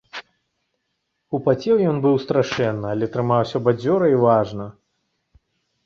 Упацеў ён быў страшэнна, але трымаўся бадзёра і важна.